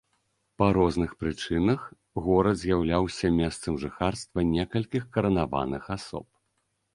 Па розных прычынах горад з'яўляўся месцам жыхарства некалькіх каранаваных асоб.